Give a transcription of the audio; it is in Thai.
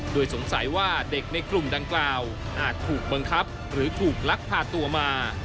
โดยสงสัยว่าเด็กในกลุ่มดังกล่าวอาจถูกบังคับหรือถูกลักพาตัวมา